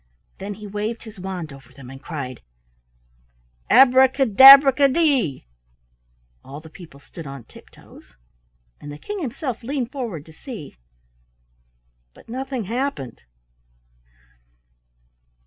Then he waved his wand over them and cried "Abraca dabraca dee!" All the people stood on tiptoes, and the King himself leaned forward to see, — but nothing happened.